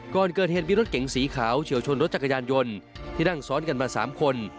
ก่อนเกิดเหตุมีรถเก๋งสีขาวเฉียวชนรถจักรยานยนต์ที่นั่งซ้อนกันมา๓คน